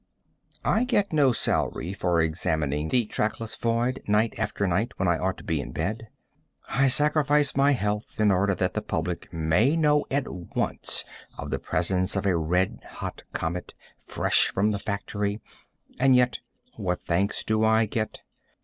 I get no salary for examining the trackless void night after night when I ought to be in bed. I sacrifice my health in order that the public may know at once of the presence of a red hot comet, fresh from the factory. And yet, what thanks do I get?